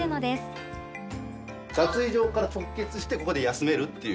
脱衣所から直結してここで休めるっていう。